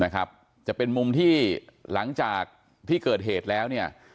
จะเป็นมุมที่หลังจากที่เกิดเหตุแล้วเนี่ย